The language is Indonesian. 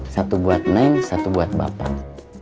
satu buat neng satu buat bapak